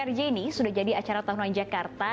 prj ini sudah jadi acara tahun ulang jakarta